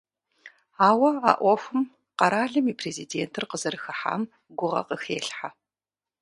Ауэ а Ӏуэхум къэралым и Президентыр къызэрыхыхьам гугъэ къахелъхьэ.